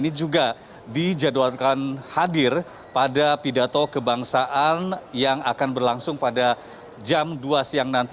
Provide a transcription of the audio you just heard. ini juga dijadwalkan hadir pada pidato kebangsaan yang akan berlangsung pada jam dua siang nanti